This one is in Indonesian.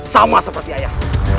sama seperti ayah